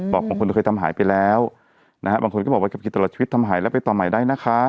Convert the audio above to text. ของคนก็เคยทำหายไปแล้วนะฮะบางคนก็บอกว่าขับกินตลอดชีวิตทำหายแล้วไปต่อใหม่ได้นะคะ